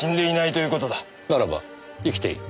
ならば生きている？